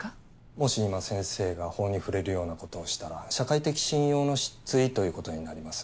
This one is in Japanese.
もし今先生が法に触れるようなことをしたら社会的信用の失墜ということになります。